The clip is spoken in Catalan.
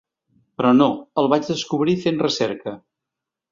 Però no, el vaig descobrir fent recerca.